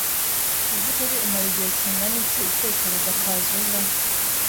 Mubyukuri umara igihe kingana iki utekereza kazoza?